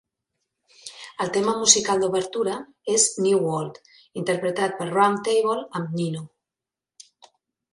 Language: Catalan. El tema musical d'obertura és "New World", interpretat per Round Table amb Nino.